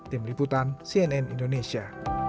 tim liputan cnn indonesia